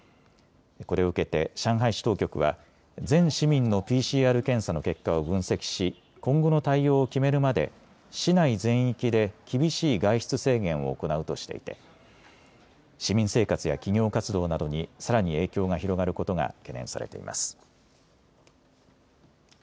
これを受けて上海市当局は全市民のＰＣＲ検査の結果を分析し今後の対応を決めるまで市内全域で厳しい外出制限を行うとしていて市民生活や企業活動などにさらに影響が広がることが懸念されています。